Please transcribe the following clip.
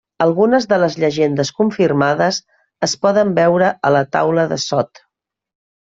Algunes de les llegendes confirmades es poden veure a la taula de sot.